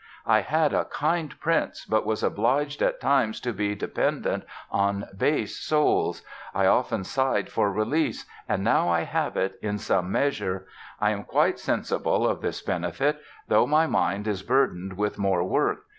I had a kind prince, but was obliged at times to be dependent on base souls. I often sighed for release and now I have it in some measure. I am quite sensible of this benefit, though my mind is burdened with more work.